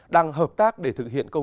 đang hợp tác để thực hiện